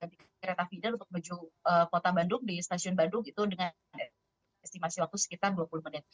jadi kita bisa mencari kereta feeder untuk menuju kota bandung di stasiun bandung itu dengan estimasi waktu sekitar dua puluh menit